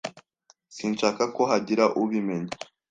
Sinshaka ko hagira ubimenya.